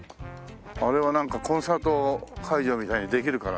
あれはなんかコンサート会場みたいにできるからね。